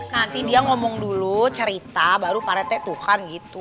nanti dia ngomong dulu cerita baru pak rete tuhan gitu